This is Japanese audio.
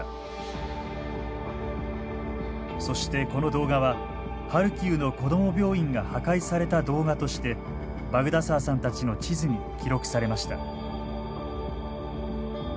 そしてこの動画はハルキウの子ども病院が破壊された動画としてバグダサーさんたちの地図に記録されました。